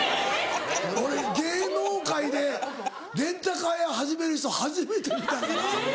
俺芸能界でレンタカー屋始める人初めて見たから。